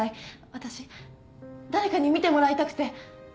私誰かに見てもらいたくて。